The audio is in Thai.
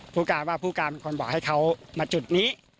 ผู้การเป็นคนบอกเขามาจุดนี้